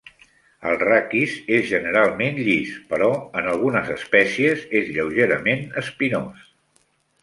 El raquis és generalment llis, però en algunes espècies és lleugerament espinós.